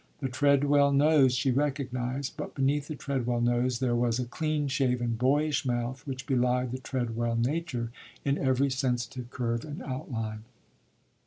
The Treadwell nose, she recognized, but beneath the Treadwell nose there was a clean shaven, boyish mouth which belied the Treadwell nature in every sensitive curve and outline.